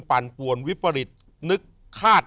ปั่นป่วนวิปริตนึกคาด